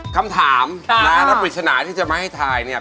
คำถามนะแล้วปริศนาที่จะมาให้ถ่ายเนี่ย